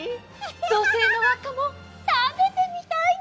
どせいのわっかもたべてみたいな。